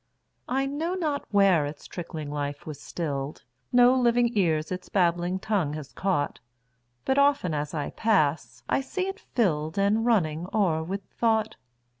I know not where its trickling life was still'd; No living ears its babbling tongue has caught; But often, as I pass, I see it fill'dAnd running o'er with thought.